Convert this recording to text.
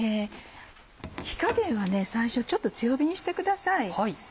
火加減は最初ちょっと強火にしてください。